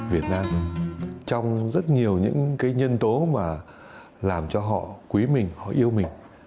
việt nam trong rất nhiều những cái nhân tố mà làm cho họ quý mình họ yêu mình